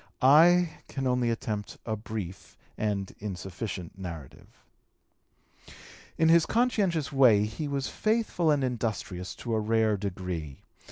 I can only attempt a brief and insufficient narrative. In his conscientious way he was faithful and industrious to a rare degree.